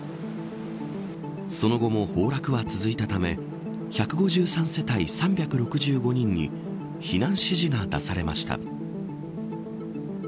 その後も崩落は続いたため１５３世帯３６５人に避難指示が出されました。